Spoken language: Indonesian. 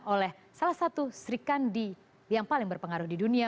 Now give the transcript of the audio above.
oleh salah satu sri kandi yang paling berpengaruh di dunia